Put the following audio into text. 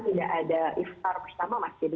tidak ada iftar bersama masjid